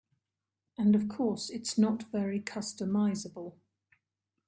And of course, it's not very customizable.